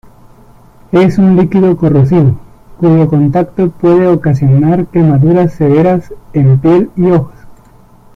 Es un líquido corrosivo, cuyo contacto puede ocasionar quemaduras severas en piel y ojos.